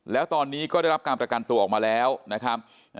แล้วตอนนี้ก็ได้รับการประกันตัวออกมาแล้วนะครับ